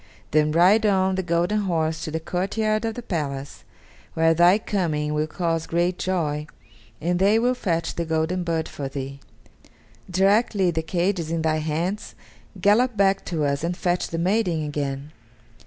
Then ride on the golden horse to the courtyard of the palace, where thy coming will cause great joy, and they will fetch the golden bird for thee. Directly the cage is in thy hands, gallop back to us and fetch the maiden again."